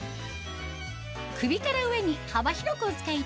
首から上に幅広くお使いいただける